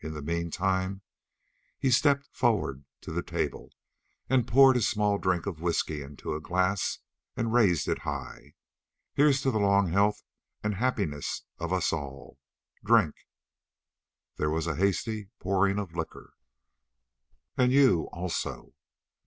In the meantime" he stepped forward to the table and poured a small drink of whisky into a glass and raised it high "here's to the long health and happiness of us all. Drink!" There was a hasty pouring of liquor. "And you also!"